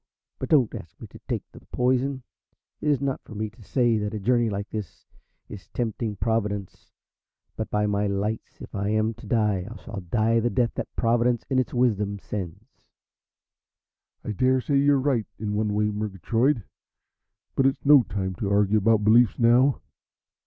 But don't ask me to take the poison. It is not for me to say that a journey like this is tempting Providence, but, by my lights, if I am to die I shall die the death that Providence in its wisdom sends." "I daresay you're right in one way, Murgatroyd, but it's no time to argue about beliefs now.